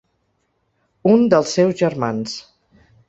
Un dels seus germans.